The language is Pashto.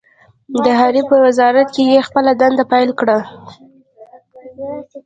د حرب په وزارت کې يې خپله دنده پیل کړه.